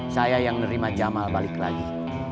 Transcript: saya yang nerima jamal balik lagi